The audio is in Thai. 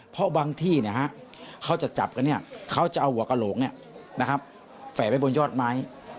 เพราะบางที่เขาจะจับกันเขาจะเอาหัวกระโหลกแฝ่ไว้บนยอดไม้